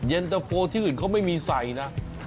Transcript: เย็นตะโฟที่อื่นเขาไม่มีใส่นะ